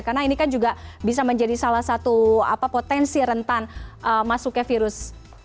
karena ini kan juga bisa menjadi salah satu potensi rentan masuk ke virus